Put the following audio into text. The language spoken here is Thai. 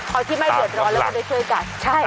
เอาที่ไม่หยดร้อนแล้วก็ได้ช่วยกันใช่นะครับค่ะ